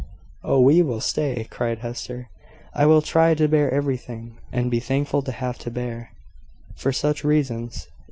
"Oh, we will stay!" cried Hester. "I will try to bear everything, and be thankful to have to bear, for such reasons.